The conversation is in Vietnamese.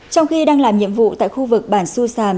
trong khi đang làm nhiệm vụ tại khu vực bản xu sàn